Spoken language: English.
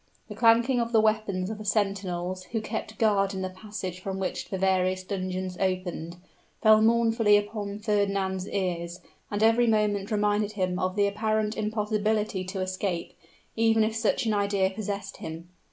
The clanking of the weapons of the sentinels, who kept guard in the passage from which the various dungeons opened, fell mournfully upon Fernand's ears, and every moment reminded him of the apparent impossibility to escape even if such an idea possessed him.